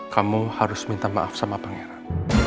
kamu harus minta maaf sama pangeran